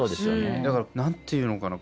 だから何ていうのかな。